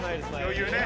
余裕ね」